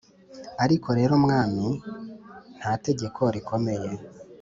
ariko rero umwami nta tegeko rikomeye